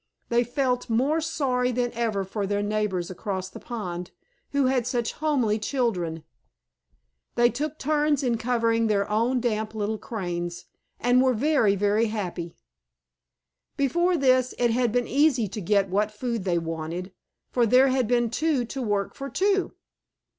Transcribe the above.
They felt more sorry than ever for their neighbors across the pond, who had such homely children. They took turns in covering their own damp little Cranes, and were very, very happy. Before this, it had been easy to get what food they wanted, for there had been two to work for two.